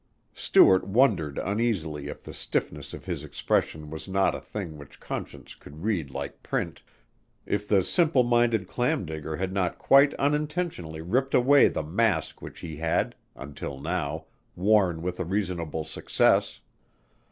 Stuart wondered uneasily if the stiffness of his expression was not a thing which Conscience could read like print; if the simple minded clam digger had not quite unintentionally ripped away the mask which he had, until now, worn with a reasonable success.